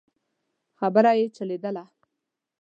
خبره يې چلېدله.